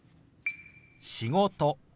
「仕事」。